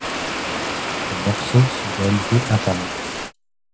Ces morceaux sont réalisés un par un.